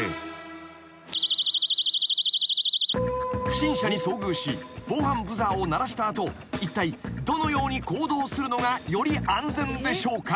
［不審者に遭遇し防犯ブザーを鳴らした後いったいどのように行動するのがより安全でしょうか？］